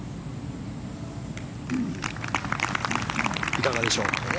いかがでしょう。